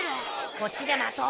こっちで待とう。